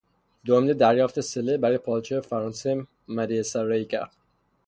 به امید دریافت صله برای پادشاه فرانسه مدیحهسرایی کرد.